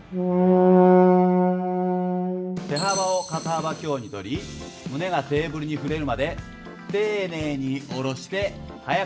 手幅を肩幅強にとり胸がテーブルに触れるまで丁寧に下ろして速く上げます。